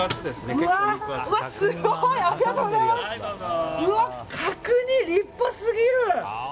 うわ、角煮立派すぎる。